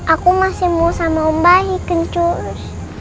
aku masih mau sama om bayi kencur